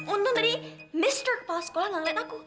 untung tadi mister kepala sekolah nggak liat aku